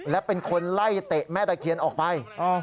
และเป็นคนไล่เตะแม่ตะเคียนออกไป